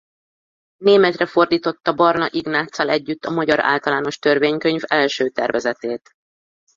Németre fordította Barna Ignáccal együtt a magyar általános törvénykönyv első tervezetét.